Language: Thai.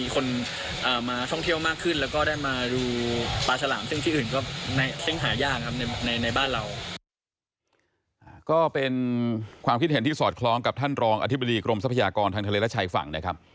ก็เป็นความคิดเห็นที่สอดคล้องกับท่านรองอธิบดีกรมทรัพยากรทางทะเลและชายฝั่งนะครับ